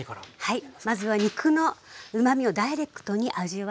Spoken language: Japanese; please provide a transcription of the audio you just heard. はい。